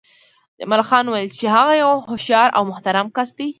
جمال خان وویل چې هغه یو هوښیار او محترم کس دی